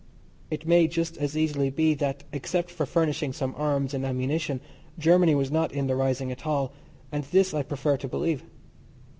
It may just as easily be that except for furnishing some arms and ammunition Germany was not in the rising at all, and this I prefer to believe.